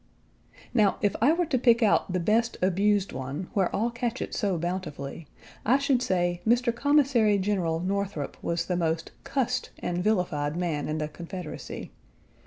Now if I were to pick out the best abused one, where all catch it so bountifully, I should say Mr. Commissary General Northrop was the most "cussed " and villified man in the Confederacy.